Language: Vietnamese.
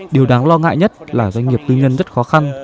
điều đáng lo ngại nhất là doanh nghiệp tư nhân rất khó khăn